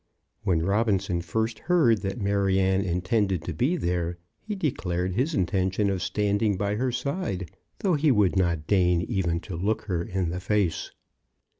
When Robinson first heard that Maryanne intended to be there, he declared his intention of standing by her side, though he would not deign even to look her in the face.